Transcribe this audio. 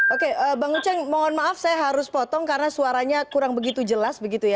oke bang uceng mohon maaf saya harus potong karena suaranya kurang begitu jelas begitu ya